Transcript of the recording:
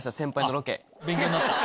勉強になった？